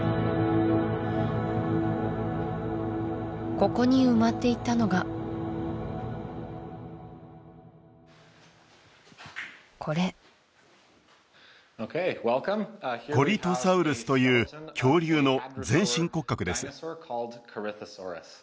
ここに埋まっていたのがこれコリトサウルスという恐竜の全身骨格です